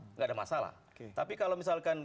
nggak ada masalah tapi kalau misalkan